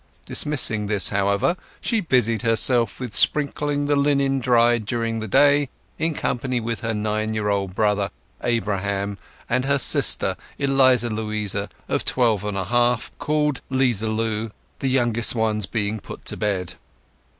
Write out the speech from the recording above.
Dismissing this, however, she busied herself with sprinkling the linen dried during the day time, in company with her nine year old brother Abraham, and her sister Eliza Louisa of twelve and a half, called "'Liza Lu," the youngest ones being put to bed.